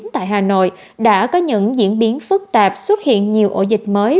tại hà nội đã có những diễn biến phức tạp xuất hiện nhiều ổ dịch mới